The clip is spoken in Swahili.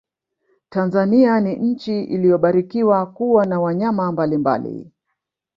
tanzania ni nchi iliyobarikiwa kuwa na wanyama mbalimbali